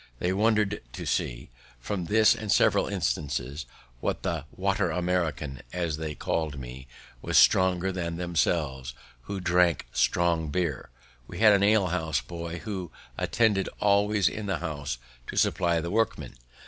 They wondered to see, from this and several instances, that the Water American, as they called me, was stronger than themselves, who drank strong beer! We had an alehouse boy who attended always in the house to supply the workmen.